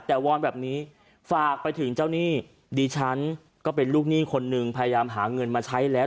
แต่วอนแบบนี้ฝากไปถึงเจ้าหนี้ดิฉันก็เป็นลูกหนี้คนหนึ่งพยายามหาเงินมาใช้แล้ว